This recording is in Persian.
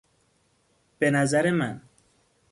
به نظر من